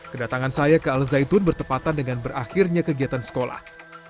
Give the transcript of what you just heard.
kedatangan saya ke al zaitun bertepatan dengan berakhirnya kegiatan sekolah